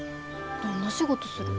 どんな仕事する？